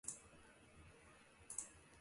茶百道